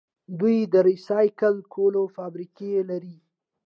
دوی د ریسایکل کولو فابریکې لري.